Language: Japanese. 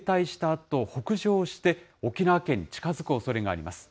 あと北上して、沖縄県に近づくおそれがあります。